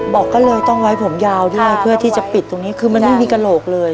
บอกก็เลยต้องไว้ผมยาวด้วยเพื่อที่จะปิดตรงนี้คือมันไม่มีกระโหลกเลย